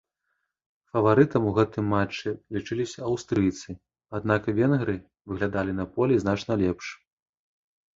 Фаварытам у гэтым матчы лічыліся аўстрыйцы, аднак венгры выглядалі на полі значна лепш.